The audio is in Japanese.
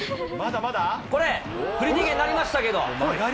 これ、振り逃げになりました